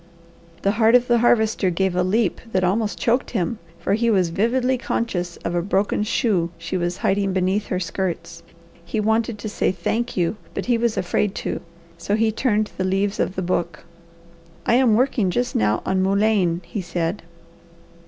The heart of the Harvester gave a leap that almost choked him, for he was vividly conscious of a broken shoe she was hiding beneath her skirts. He wanted to say "thank you," but he was afraid to, so he turned the leaves of the book. "I am working just now on mullein," he said.